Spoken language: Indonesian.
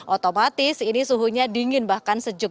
otomatis ini suhunya dingin bahkan sejuk